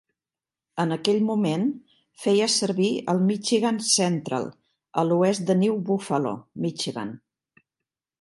En aquell moment, feia servir el Michigan Central, a l'oest de New Buffalo, Michigan.